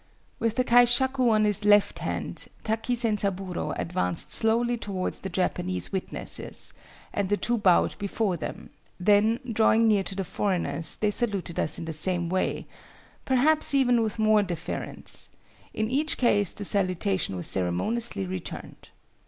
"With the kaishaku on his left hand, Taki Zenzaburo advanced slowly towards the Japanese witnesses, and the two bowed before them, then drawing near to the foreigners they saluted us in the same way, perhaps even with more deference; in each case the salutation was ceremoniously returned.